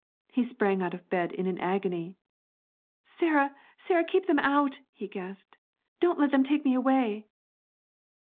He sprang out of bed in an agony. 'Sarah! Sarah! keep them out,' he gasped. 'Don't let them take me away!'